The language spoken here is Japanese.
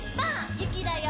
ゆきだよ。